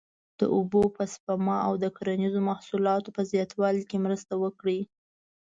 د اوبو په سپما او د کرنیزو محصولاتو په زیاتوالي کې مرسته وکړي.